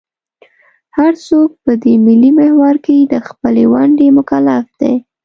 هر څوک په دې ملي محور کې د خپلې ونډې مکلف دی.